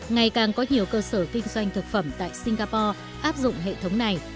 ngày càng có nhiều cơ sở kinh doanh thực phẩm tại singapore áp dụng hệ thống này